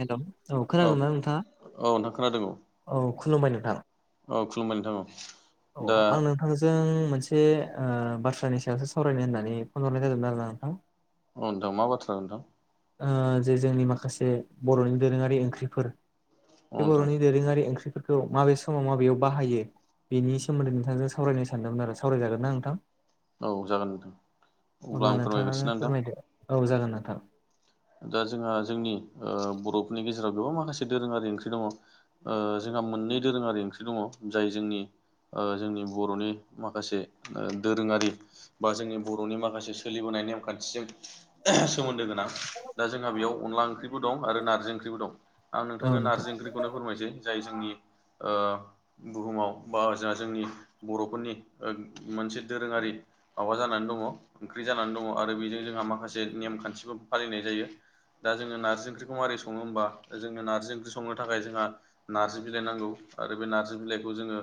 हेल' औ खोनादोंना नोंथाङा? औ नोंथां खोनादों [inaudible] औ खुलुमबाय नोंथां। औ खुलुमबाय नोंथां औ। औ आं नोंथांनो नोंथांजों मोनसे ओ बाथ्रानि सायावसो सावरायनो होननानै फन हरनाय जादोंमोन आरोना नोंथां। अ नोंथां मा बाथ्रा नोंथां? ओ जे जोंनि माखासे बर'नि दोरोङारि ओंख्रिफोर औ बे नोंथां बर'नि दोरोङारि ओंख्रिफोरखौ माबे समाव माबेयाव बाहायो बेनि सोमोन्दै नोंथांजों सावरायनो सानदोंमोन आरो। सावरायजागोन ना नोंथां? औ जागोन नोंथां [inaudible] अब्ला आं फोरमायग्रोसै नोंथाङानो ना नोंथां फोरमायदो। औ जागोन नोंथां। दा जोंहा जोंनि ओ बर'फोरनि गेजेराव बेयावा माखासे दोरोङारि ओंख्रि दङ। ओ जोंहा मोननै दोरोङारि ओंख्रि दङ जाय जोंनि ओ जोंनि बर'नि माखासे ओ दोरोङारि बा जोंनि बर'नि माखासे सोलिबोनाय नेमखान्थिजों ओहो सोमोन्दो गोनां। दा जोंहा बेयाव अनला ओंख्रिबो दं आरो नारजि ओंख्रिबो दं। आं औ नोंथांनो नोंथां नारजि ओंख्रिखौनो फोरमायसै। जाय जोंनि ओ बुहुमाव बा जोंहा जोंनि बर'फोरनि ओ मोनसे दोरोङारि माबा जानानै दङ ओंख्रि जानानै दङ आरो बेजों जोंहा माखासे नेम खान्थिबो फालिनाय जायो। दा जोङो नारजि ओंख्रिखौ मारोरै सङो होमबा जोङो नारजि ओंख्रि संनो थाखाय जोंहा नार्जि बिलाइ नांगौ आरो बे नार्जि बिलाइखौ जोङो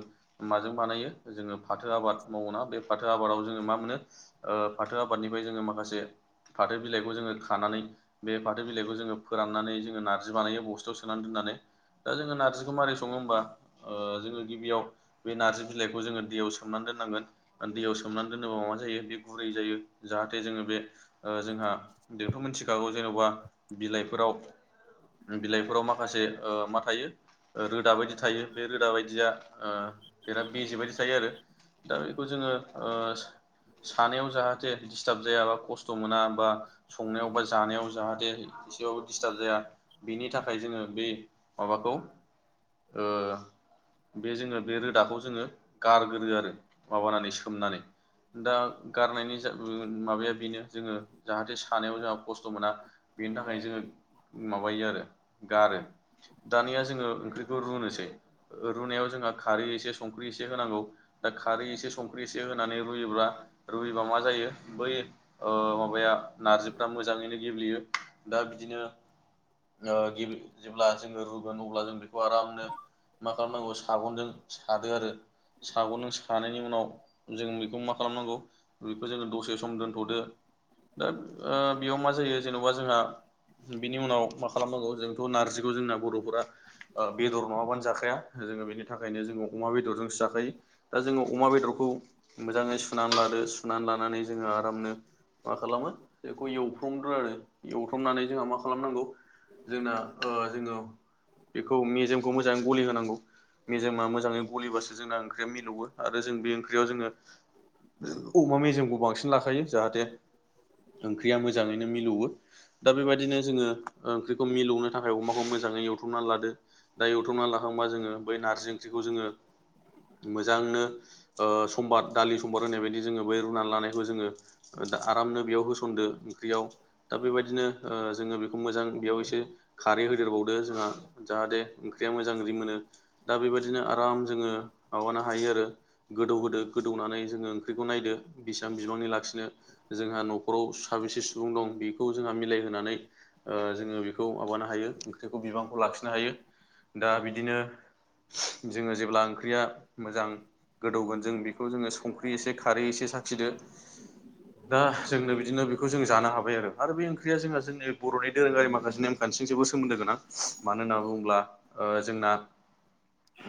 माजों बानायो जोङो फाथो आबाद मावा बे फाथो आबादाव जोङो मा मोनो ओ फाथो आबादनिफ्राय जोङो माखासे फाथो बिलाइखौ जोङो खानानै बे फाथो बिलाइखौ जोङो फोराननानै जोङो नारजि बानायो बस्थायाव सोनानै दोननानै। दा जोङो नारजिखौ मारै सङो होमबा ओ जोङो गिबियाव बे नारजि बिलाइखौ जोङो दैयाव सोमनानै दोननांगोन। दैयाव सोमनानै दोनोबा मा जायो बे गुरै जायो जाहाथे जोङो बे जोंहा बेखौ मिनथिखागौ जेन'बा बिलाइफोराव बिलाइफोराव माखासे ओ मा थायो रोदा बायदि थायो बे रोदा बायदिया ओ बिराद बेसेे बायदि थायो आरो। दा बेखौ जोङो ओ सानायाव जाहाथे डिस्टाब जाया बा खस्थ' मोना बा संनायाव बा जानायाव जाहाथे एसेबाबो डिस्टार्ब जाया बिनि थाखाय जोङो बे माबाखौ ओ बे जोङो बे रोदाखौ जोङो गारगोरो आरो माबानानै सोमनानै। दा गारनायनि जा माबाया बेनो जोङो जाहाथे सानायाव जोंहा खस्थ' मोना। बेनि थाखाय जोङो माबायो आरो गारो। दानिया जोङो ओंख्रिखौ रुनोसै रुनायाव जोंहा खारै एसे संख्रि एसे होनांगौ। दा खारै एसे संख्रि एसे होनानै रुयोबा, रुयोबा मा जायो बै ओ माबाया नारजिफ्रा मोजाङैनो गेब्लेयो दा बिदिनो ओ गेब्ले जेब्ला जोङो रुगोन अब्ला जों बेखौ आरामनो। मा खालामनांगौ सागंजों सादो आरो। साग' नों सानायनि उनाव जों बेखौ मा खालामनांगौ बेखौ जोङो दसे सम दोनथ'दो दा ओ बेयाव मा जायो जेनेबा जोंहा बिनि उनाव मा खालामनांगौ जोंथ' नारजिखौ जोंना बर'फोरा आ बेदर नङाबानो जाखाया जोङो बेनि थाखायनो जोङो अमा बेदरजोंसो जाखायो। दा जोङो अमा बेदरखौ मोजाङै सुनानै लादो। सुनानै लानानै जोङो आरामनो मा खालामो बेखौ एवथ्रमग्रोनानै एवथ्र'मनानै जोंहा मा खालामनांगौ जोंना जोङो बेखौ मेजेमखौ मोजाङै गलि होनांगौ। मेजेमा मोजाङै गलिबासो जोंना ओंख्रिया मिलौवो आरो जों बे ओंख्रियाव जोङो अमा मेजेमखौ बांसिन लाखायो जाहाथे ओंख्रिया मोजाङैनो मिलौवो। दा बेबायदिनो जोङो ओंख्रिखौ मिलौनो थाखाय अमाखौ मोजाङै एवथ्रमना लादो। दायो एवथ्रमना लाखांबा जोङो बै नारजि ओंख्रिखौ जोङो मोजांनो ओ सम्बार दालि सम्बार होनाय बायदि जोङो बै रुनानै लानायखौ जोङो दा आरामनो बेयाव होसनदो ओंख्रियाव। दा बेबायदिनो जोङो बेखौ मोजां बेयाव एसे खारै होदेरबावदो जोंहा जाहाथे ओंख्रिया मोजां रिमोनो। दा बेबायदिनो आराम जोङो माबानो हायो आरो। गोदौहोदो गोदौनानै जोङो ओंख्रिखौ नायदो बेसबां बिबांनि लाखिनो। जोंहा न'खराव साबेसे सुबुं दं बे खौ जोंहा मिलायहोनानै जोङो बेखौ माबानो हायो ओंख्रिखौ बिबांखौ लाखिनो हायो। दा बिदिनो जोङो जेब्ला ओंख्रिया मोजां गोदौगोन जों बेखौ जोङो संख्रि एसे खारै एसे साखिदो। दा जोंनो बिदिनो बेखौ जों जानो हाबाय आरो। आरो बे ओंख्रिया जोंहा जोंनि बर'नि दोरोङारि माखासे नेमखान्थिजोंबो सोमोन्दो गोनां। मानो होनना बुङोब्ला ओ जोंना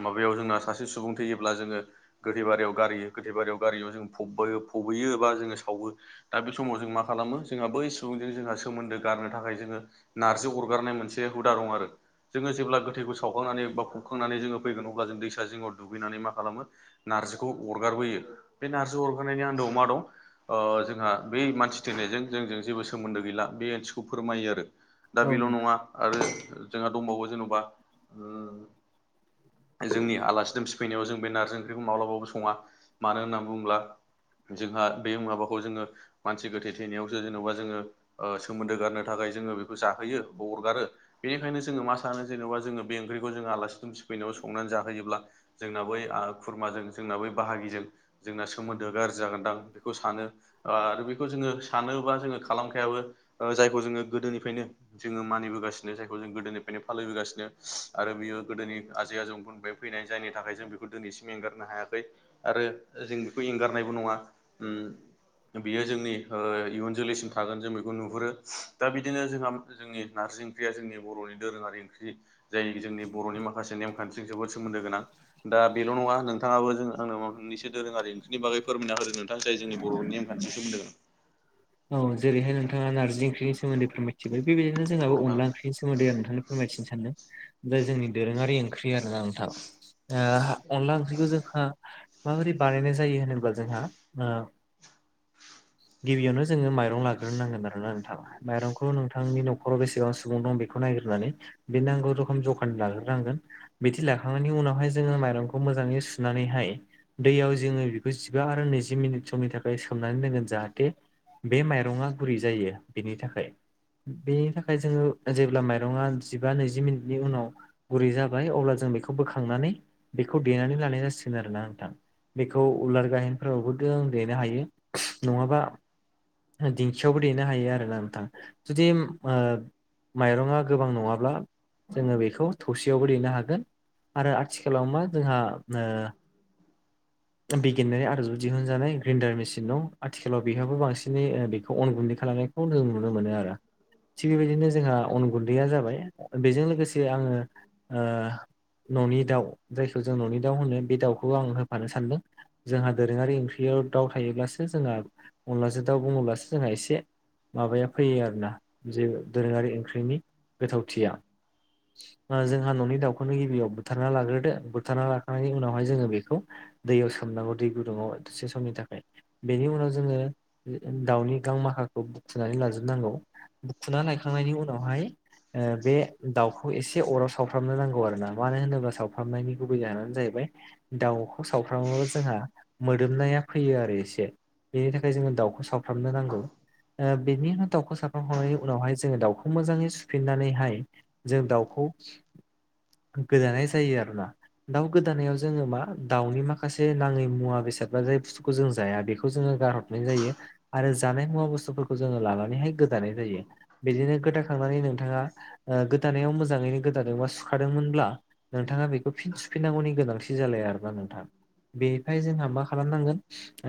माबायाव जोंना सासे सुबुं थैयोब्ला जोङो गोथै बारियाव गारियो गोथै बारियाव गारियाव जों फबो फबैयो बा जोङो सावो। दा बे समाव जों मा खालामो जोंहा बै सुबुंजों जोंहा सोमोन्दो गारनो थाखाय जोङो नारजि अरगारनाय मोनसे हुदा दं आरो। जोङो जेब्ला गोथैखौ सावखांनानै बा खुखांनानै जोङो फैगोन अब्ला जों दैसा जिङआव दुगैनानै मा खालामो नार्जिखौ अरगारबोयो। बे नार्जि अरगारनायनि आन्दोआव मा दं? ओ जोंहा बै मानसि थैनायजों जोंजों जेबो सोमोन्दो गैला बे ओंथिखौ फोरमायो आरो। दा औ बेल' नोंथां नङा आरो जोंहा दंबावो जेन'बा ओ जोंनि आलासि दुमसि फैनायाव जों बे नारजि ओंख्रिखौ माब्लाबाबो सङा। मानो होनना बुङोब्ला जोंहा बे माबाखौ जोङो मानसि गोथै थैनायावसो जेन'बा जोङो ओ सोमोन्दो गारनो थाखाय जोङो बेखौ जाहोयो बा अरगारो। बेनिखायनो जोङो मा सानो जेनेबा जोङो बे ओंख्रिखौ जोङो आलासि दुमसि फैनायाव संनानै जाहोयोब्ला जोंना बै ओ खुरमाजों जोंना बै बाहागिजों जोंना सोमोन्दोआ गाज्रि जागोनदां बेखौ सानो आरो बेखौ जोङो सानो बा जोङो खालामखायाबो ओ जायखौ जोङो गोदोनिफ्रायनो जोङो मानिबोगासिनो जायखौ जों गोदोनिफ्रायनो फालिबोगासिनो आरो बियो गोदोनि आजै आजौमोननिफ्राय फैनाय जायनि थाखाय जों बेखौ दिनैसिम एंगारनो हायाखै। आरो जों बेखौ एंगारनायबो नङा। ओम बेयो जोंनि इयुन जोलैसिम थागोन जों बेखौ नुहुरो। दा बिदिनो जोंहा जोंनि नारजि ओंख्रिया जोंनि बर'नि दोरोङारि ओंख्रि जाय जोंनि बर'नि माखासे नेमखान्थिजों जोबोद सोमोन्दो गोनां। दा बेल' नङा नोथाङाबो ओ आंनो मोननैसो दोरोङारि ओंख्रिनि बागै फोमायना होदो नोंथां जाय जोंनि बर'नि नेमखान्थिजों सोमोन्दो दं। औ जेरैहाय नोंथाङा नारजि ओंख्रिनि सोमोन्दै फोरमायथिबाय। बेबायदिनो जोंहा औ नोंथां अनला ओंख्रिनि सोमोन्दै आं नोंथांनो फोरमायथिनो सानदों। बे जोंनि दोरोङारि ओंख्रि आरोना नोंथां। ओ अनला ओंख्रिखौ जोंहा माबोरै बानायनाय जायो होनोब्ला जोंहा ओ गिबियावनो जोङो माइरं लाग्रोनांगोन आरोना नोंथां, माइरंखौ नोंथां नि न'खराव बेसेबां सुबुं दं बेखौ नायग्रोनानै बे नांगौ रोखोम जखानि लाग्रोनांगोन। बिदि लाखांनायनि उनावहाय जोङो माइरंखौ मोजाङै सुनानैहाय दैयाव जोङो बेखौ जिबा आरो नैजि मिनिट समनि थाखाय सोमनानै दोनगोन जाहाथे बे माइरङा गुरै जायो बेनि थाखाय। बेनि थाखाय जोङो जेब्ला माइरङा जिबा नैजि मिनिटनि उनाव गुरै जाबाय अब्ला जों बेखौ बोखांनानै बेखौ देनानै लानाय जासिगोन आरोना नोंथां। बेखौ उलार गायेनफोरावबो जों देनो हायो नङाबा दिंखियावबो देनो हायो आरोना नोंथां। जुदि ओ माइरङा गोबां नङाब्ला जोङो बेखौ थौसियावबो देनो हागोन आरो आथिखालाव मा जोंहा ओ बिगियानारि आदबजों दिहुनजानाय ग्रेन्डार मेसिन दं, आथिखालाव बेहायबो बांसिन बेखौ अन गुन्दै खालामनायखौ जों नुनो मोनो आरो। थिग बेबायदिनो जोंहा अन गुन्दैया जाबाय। बेजों लोगोसे आङो ओ न'नि दाउ जायखौ जों न'नि दाउ होनो बे दाउखौ आं होफानो सानदों। जोंहा दोरोङारि ओंख्रियाव दाउ थायोब्लासो जोंहा अनलाजों दाउ बुङोब्लासो जोंहा एसे माबाया फैयो आरो ना जे दोरोङारि ओंख्रिनि गोथावथिया। दा जोंहा न'नि दाउखौनो गिबियाव बुथारना लाग्रोदो। बुथारना लाखांनायनि उनावहाय जोङो बेखौ दैयाव सोमनांगौ दै गुदुङाव दसे समनि थाखाय। बेनि उनाव जोङो दाउनि गां माखाखौ बुखुनानै लाजोबनांगौ। बुखुना लायखांनायनि उनावहाय ओ बे दाउखौ एसे अराव सावफ्रामनो नांगौ आरोना, मानो होनोब्ला सावफ्रामनायनि गुबै जाहोनानो जाहैबाय दाउखौ सावफ्रामोबा जोंहा मोदोमनाया फैयो आरो एसे। बेनि थाखाय जों दाउखौ सावफ्रामनो नांगौ। ओ बेनि उनाव दाउखौ हांनायनि उनावहाय जोङो दाउखौ मोजाङै सुफिननानैहाय जों दाउखौ गोदानाय जायो आरोना दाउ गोदानायाव जोङो मा दाउनि माखासे नाङै मुवा बेसाद बा जाय जों जाया बेखौ जो गार [unintelligible] जायो आरो जानाय मुवा बुस्थुफोरखौ जोङो लानानैहाय गोदानाय जायो बिदिनो गोदाखांनानै नोंथाङा ओ गोदानायाव मोजाङैनो गोदादों बा सुखादोंमोनब्ला नोंथाङा बेखौ फिन सुफिननांगौनि गोनांथि जालाया आरोना नोंथां। बेनिफ्राय जोंहा मा खालामनांगोन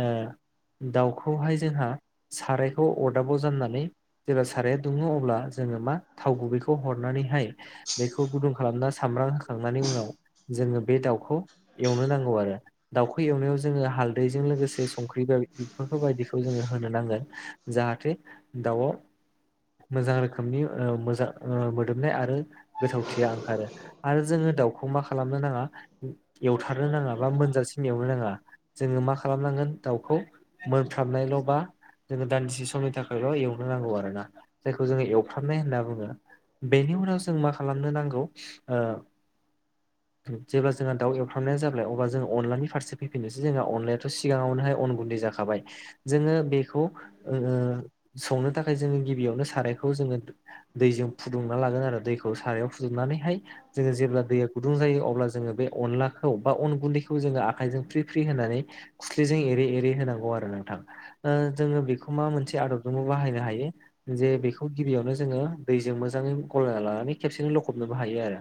ओ दाउखौहाय जोंहा सारायखौ अरदाबाव जाननानै जेब्ला साराया दुङो अब्ला जोङो मा थाव गुबैखौ हरनानैहाय बेखौ गुदुं खालामना सामब्राम होखांनानै उनाव जोङो बे दाउखौ एवनो नांगौ आरो। दाउखो एवनायाव जोङो हालदैजों लोगोसे संख्रि [unintelligible] जोङो होनो नांगोन जाहाथे दाउआव मोजां रोखोमनि ओ मोजां ओ मोदोमनाय आरो गोथावथिया ओंखारो आरो जोङो दाउखौ मा खालामनो नाङा एवथारनो नाङा बा मोनजासिन एवनो नाङा जोङो मा खालामनांगोन दाउखौ मोनफ्राबनायल' बा जोङो दान्दिसे समनि थाखायल' एवनो नांगौ आरो ना जायखौ जोङो एवफ्रामनाय होनना बुङो। बेनि उनाव जों मा खालामनो नांगौ ओ जेब्ला जोंहा दाउ एवफ्रामनाय जाबाय अब्ला जों अनलानि फारसे फैफिनोसै जोंहा अननायायाथ' सिगाङावनोहाय अन गुन्दै [unintelligible] हाबाय जोङो बेखौ संनो थाखाय जोङो गिबियावनो सारायखौ जोङो दैजों फुदुंना लागोन आरो दैखौ सारायाव फुदुंनानैहाय जोङो जेब्ला दैया गुदुं जायो अब्ला जोङो बे अनलाखौ बा अन गुन्दैखौ जोङो आखाइजों फ्रि फ्रि होनानै खुस्लिजों एरै एरै होनांगौ आरो नोंथां। जोङो बेखौ मा मोनसे आदबजों बाहायनो हायो जे बेखौ गिबियावनो जोङो दैजों मोजाङै गलना लानानै खेबसेनो लखबनोबो हायो आरो।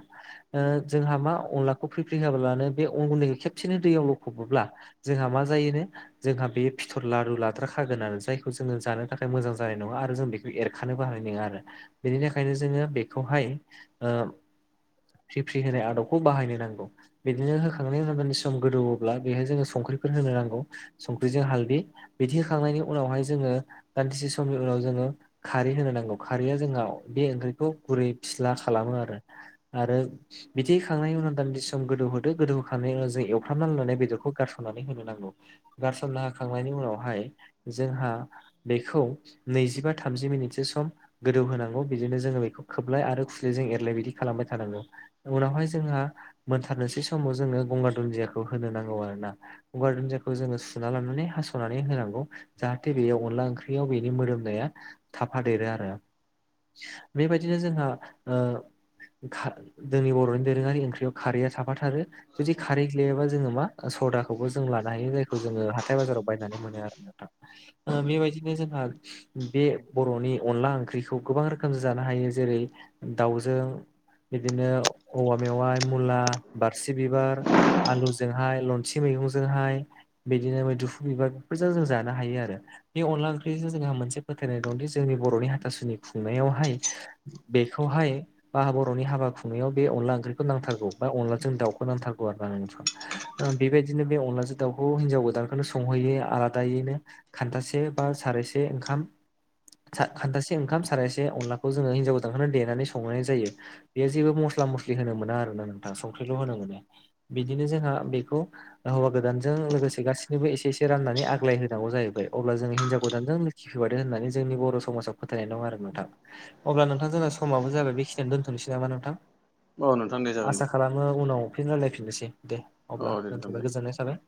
ओ जोंहा मा अनलाखौ फ्रिफ्रि होआब्लानो बे अंगुन्दैखौ खेबसेनो दैयाव लखबब्ला जोंहा मा जायोनो जोंहा बे फिथर लारु लाद्रााखागोन आरो जायखौ जोङो जानो थाखाय मोजां जानाय नङा आरो जों बेखौ एरखानोबो हानाय नङा आरो। बेनि थाखायनो जोङो बेखौहाय ओ फिफ्रि होनाय आदबखौ बाहायनो नांगौ। बिदिनो होखांनायनि उनि सम गोदौवोब्ला बेहाय जोङो संख्रिफोर होनो नांगौ संख्रिजों हाल बिदि होखांनायनि उनावहाय जोङो दान्दिसे समनि उनाव जोङो खारै होनो नांगौ खारैया [unintelligible] बे ओंख्रिखौ गुरै फिस्ला खालामो आरो आरो बिदि होखांनायनि उनाव दान्दि सम गोदौ होदो गोदौ होखांनायनि उनाव जों एवथाबनानै लुनाय बेदरखौ गारस'नानै होनो नांगौ। गारसनना होखांनायनि उनावहाय जोंहा बेखौ नैजिबा थामजि मिनिटसो सम गोदौ होनांगौ बिदिनो जोङो बेखौ खोबलाय आरो [unintelligible] एरलाय बिदि खालामबाय थानांगौ उनावहाय जोंहा मोनथारनोसै समाव जोङो गंगार दुन्दियाखौ होनो नांगौ आरो ना गंगार दुन्दियाखौ जोङो सुना लानानै हास'नानै होनांगौ जाहाथे बेयाव अनला ओंख्रियाव बेनि मोदोमनाया थाफादेरो आरो बेबायदिनो जोंहा ओ खा जोंनि बर'नि दोरोङारि ओंख्रियाव खारैया साफाथारो जुदि खारै [unintelligible] जोङो मा सदाखौबो जों लानो हायो जायखौ जोङो हाथाय बाजाराव बायनानै मोनो आरो नोंथां बेबायदिनो जोंहा बे बर'नि अनला ओंख्रिखौ गोबां रोखोमजों जानो हायो जेरै दाउजों बिदिनो औवा मेवाइ मुला बारसि बिबार आलु ज हाय लन्थि मैगंजोंहाय बिदिनो मैदुफु बिबारफोरजों जों जानो हायो आरो बे अनला ओंख्रिजों जोंहा मोनसे फोथायनाय दंदि जोंनि बर'नि हाथासुनि खुंनायावहाय बेखौहाय बा बर'नि हाबा खुंनायाव बे अनला ओंख्रिखौ नांथारौ बा अनलाजों दाउखौ नांथारगौ आरो आं नोंथां। बेबायदिनो बे अनलाजों दाउखौ हिनजाव गोदानखौनो सं संहैयो आलादायैनो खान्थासे बा सारायसे ओंखाम खान्थासे ओंखाम सारायसे अनलाखौ जोङो हिन्जाव गोजानखौनो देनानै संनाय जायो। बे जेबो मस्ला मस्लि होनो मोना आरो ना नोंथां संख्रिल' होनो मोनो बिदिनो जोंहा बेखौ हौवा गोदानजों लोगोसे गासिनोबो एसे एसे राननानै आग्लाय होनांगौ जाहैबाय अब्ला जों हिनजाव गोदानजों लोखि फैबादों होन्नानै जोंनि बर' समाजाव फोथायनाय दं आरो नोंथां अब्ला नोंथां जोंना समाबो जाबाय बेखिनियाव दोन्थ'नोसै नामा नोंथां? औ नोंथां दे जागोन दे आसा खालामो उनाव फिन रायलायफिननोसै दे औ अब्ला दे नोंथां दे दोनथ'बाय गोजोननाय थाबाय।